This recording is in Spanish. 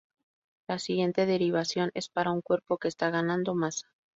La siguiente derivación es para un cuerpo que está ganando masa.